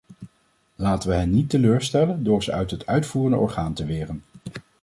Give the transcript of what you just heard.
Laten we hen niet teleurstellen door ze uit het uitvoerend orgaan te weren!